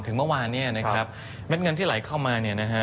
เมื่อวานเนี่ยนะครับเม็ดเงินที่ไหลเข้ามาเนี่ยนะฮะ